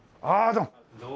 どうも。